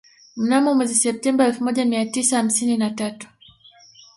Mnamo mwezi Septemba elfu moja mia tisa hamsini na tatu